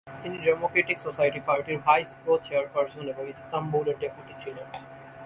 তিনি democratic society পার্টির vice co-chairperson এবং ইস্তাম্বুলের ডেপুটি ছিলেন।